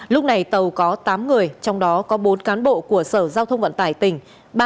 lúc này tàu có tám người trong đó có bốn cán bộ của sở giao thông vận tải tỉnh